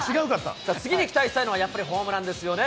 次に期待したいのは、やっぱりホームランですよね。